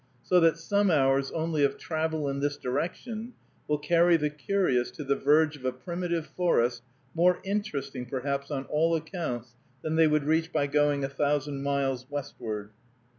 So that some hours only of travel in this direction will carry the curious to the verge of a primitive forest, more interesting, perhaps, on all accounts, than they would reach by going a thousand miles westward.